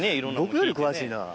僕より詳しいな。